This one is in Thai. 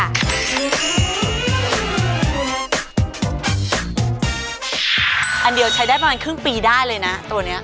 อันเดียวใช้ได้ประมาณครึ่งปีได้เลยนะตัวนี้